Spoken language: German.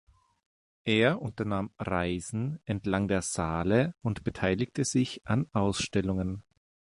Er unternahm Reisen entlang der Saale und beteiligte sich an Ausstellungen.